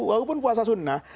walaupun puasa sunnah